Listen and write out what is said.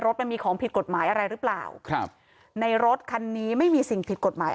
มันมีของผิดกฎหมายอะไรหรือเปล่าครับในรถคันนี้ไม่มีสิ่งผิดกฎหมาย